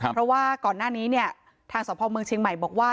เพราะว่าก่อนหน้านี้เนี่ยทางสพเมืองเชียงใหม่บอกว่า